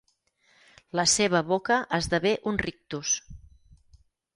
La seva boca esdevé un rictus.